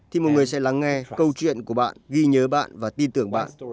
thì một người sẽ lắng nghe câu chuyện của bạn ghi nhớ bạn và tin tưởng bạn